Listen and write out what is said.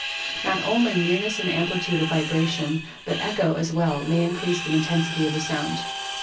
Not only nearness and amplitude of vibration, but echo as well may increase the intensity of a sound.